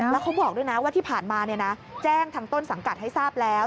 แล้วเขาบอกด้วยนะว่าที่ผ่านมาแจ้งทางต้นสังกัดให้ทราบแล้ว